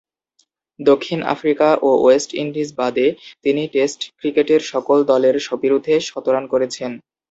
দক্ষিণ আফ্রিকা ও West Indies বাদে তিনি টেস্ট ক্রিকেটের সকল দলের বিরুদ্ধে শতরান করেছেন।